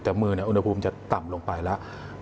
แต่มืออุณหภูมิจะต่ำลงไปแล้ว